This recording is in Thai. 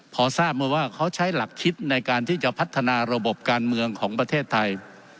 พอทราบมาว่าเขาใช้หลักคิดในการที่จะพัฒนาระบบการเมืองของประเทศไทย